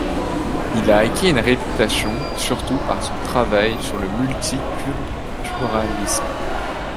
Il a acquis une réputation surtout par son travail sur le multiculturalisme.